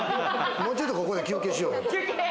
もうちょっとここで休憩しよう。